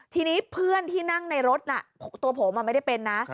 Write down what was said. ทีนี้เพื่อนที่นั่งในรถน่ะตัวผมไม่ได้เป็นนะ